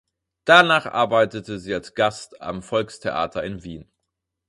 Danach arbeitete sie als Gast am Volkstheater in Wien.